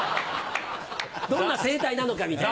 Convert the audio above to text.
どんな生態なのかみたいな。